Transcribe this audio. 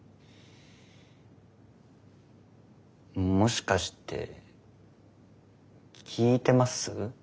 もしかして聞いてます？